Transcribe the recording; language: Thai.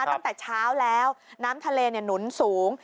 ตั้งแต่เช้าแล้วน้ำทะเลหนุนสูง